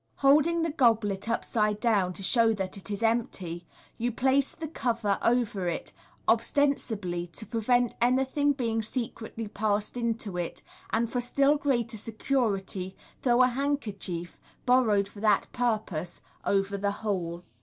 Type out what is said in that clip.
Holding the goblet upside down, to show that it is empty, you place the cover over it, ostensibly to prevent anything being secretly passed into it, and, for still greater security, throw a handkerchief, borrowed for that purpose, over the whole.